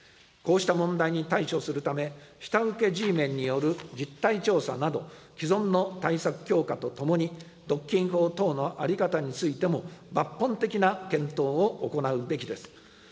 こうした問題に対処するため、下請Ｇメンによる実態調査など、既存の対策強化とともに、独禁法等の在り方についても、抜本的な検討を行うべきです。